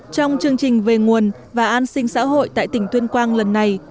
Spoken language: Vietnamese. trong chương trình về nguồn và an sinh xã hội tại tỉnh tuyên quang lần này